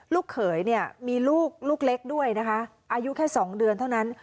ลูกเขยเนี่ยมีลูกลูกเล็กด้วยนะคะอายุแค่๒เดือนเท่านั้น